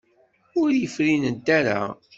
Ur iyi-frinent ara.